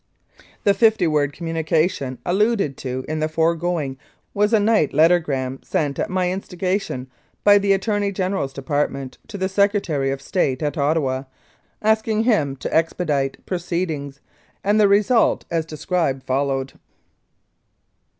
The fifty word communication alluded to in the fore going was a night lettergram, sent at my instigation by the Attorney General's Department to the Secretary of State at Ottawa, asking him to expedite proceedings, and the result as described followed.